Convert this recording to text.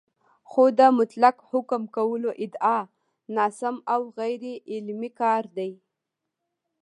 خو د مطلق حکم کولو ادعا ناسم او غیرعلمي کار دی